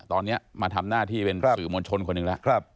ตอนนี้มาทำหน้าที่เป็นสื่อมวลชนคนหนึ่งแล้ว